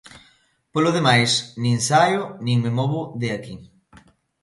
"Polo demais, nin saio nin me movo de aquí".